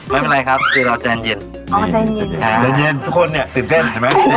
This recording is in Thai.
มันหน้าแบบซิกเนเจอร์ยอดพิษ